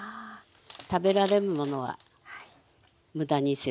食べられるものは無駄にせず。